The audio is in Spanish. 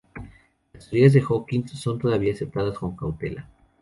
Las teorías de Hawkins son todavía aceptadas con cautela.